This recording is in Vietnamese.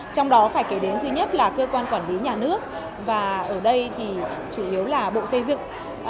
trong đó phải kể đến thứ nhất là cơ quan quản lý nhà nước và ở đây thì chủ yếu là bộ xây dựng